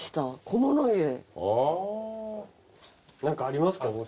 何かありますか？